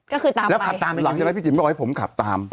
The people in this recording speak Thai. ก็คือตามแล้วขับตามหลังจากนั้นพี่จิ๋มบอกให้ผมขับตาม